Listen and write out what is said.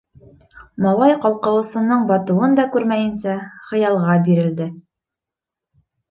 Малай ҡалҡыуысының батыуын да күрмәйенсә, хыялға бирелде.